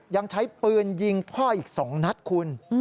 ยังใช้ปืนยิงพ่ออีก๒นัดคุณ